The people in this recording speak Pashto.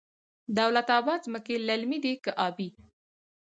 دولت اباد ځمکې للمي دي که ابي؟